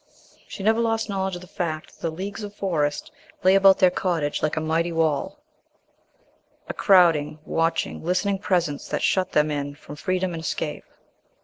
She never lost knowledge of the fact that the leagues of forest lay about their cottage like a mighty wall, a crowding, watching, listening presence that shut them in from freedom and escape.